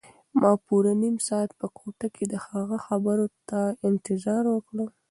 ما پوره نیم ساعت په کوټه کې د هغه خبرو ته انتظار وکړ.